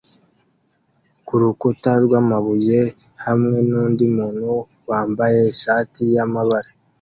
kurukuta rwamabuye hamwe nundi muntu wambaye ishati yamabara